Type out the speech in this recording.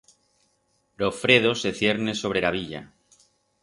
Ro fredo se cierne sobre ra villa.